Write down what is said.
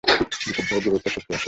বিশুদ্ধ ও দৃঢ় ইচ্ছার শক্তি অসীম।